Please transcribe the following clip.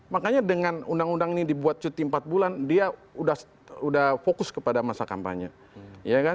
makanya dengan undang undang ini dibuat cuti empat bulan dia sudah fokus kepada masa kampanye